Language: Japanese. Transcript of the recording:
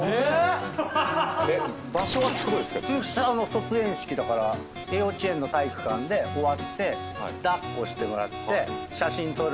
卒園式だから幼稚園の体育館で終わって抱っこしてもらって。